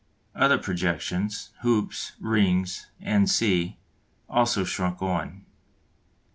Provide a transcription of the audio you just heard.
Other projections, hoops, rings, &c., also shrunk on.